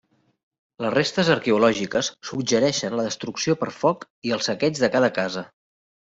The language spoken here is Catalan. Les restes arqueològiques suggereixen la destrucció per foc i el saqueig de cada casa.